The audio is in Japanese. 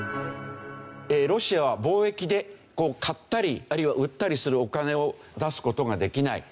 ロシアは貿易で買ったりあるいは売ったりするお金を出す事ができない。